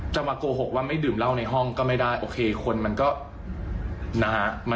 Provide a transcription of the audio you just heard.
มาโกหกว่าไม่ดื่มเหล้าในห้องก็ไม่ได้โอเคคนมันก็นะฮะ